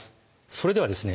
それではですね